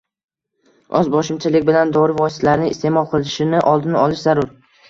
Oʻzboshimchalik bilan dori vositalarini isteʼmol qilishini oldini olish zarur.